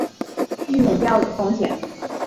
避免掉了风险